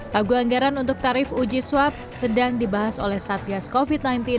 pagu anggaran untuk tarif uji swab sedang dibahas oleh satgas covid sembilan belas